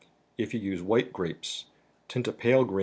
If you use white grapes, tint WA TER ICES.